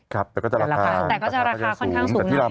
แต่ก็จะราคาค่อนข้างสูง